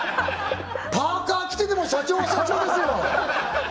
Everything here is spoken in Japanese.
パーカー着てても社長は社長ですよ